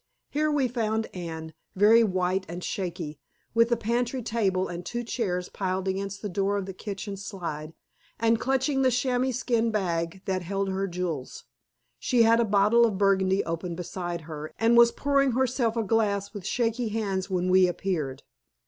Here we found Anne, very white and shaky, with the pantry table and two chairs piled against the door of the kitchen slide, and clutching the chamois skin bag that held her jewels. She had a bottle of burgundy open beside her, and was pouring herself a glass with shaking hands when we appeared.